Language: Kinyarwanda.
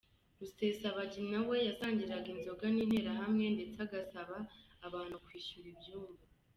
Rusesabagina we yasangiraga inzoga n’interahamwe ndetse agasaba abantu kwishyura ibyumba.”